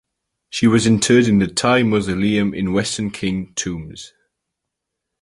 She was interred in the Tai Mausoleum in Western Qing tombs.